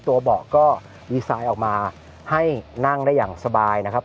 เบาะก็ดีไซน์ออกมาให้นั่งได้อย่างสบายนะครับ